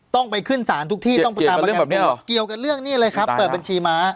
ต้องไปขึ้นศาลทุกที่ต้องไปตามประกาศเกี่ยวกับเรื่องนี้เลยครับเปิดบัญชีม้า